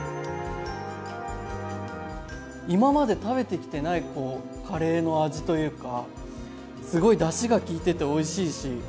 今まで食べてきてないカレーの味というかすごいだしが効いてておいしいし